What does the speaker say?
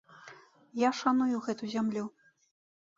Я шаную гэту зямлю.